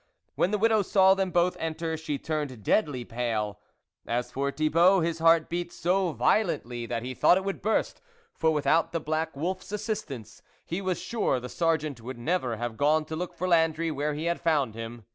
When the widow saw them both enter, she turned deadly pale. As for Thibault, his heart beat so vio lently, that he thought it would burst, for without the black wolfs assistance, he was sure the Sergeant would never have gone to look for Landry where he had found him.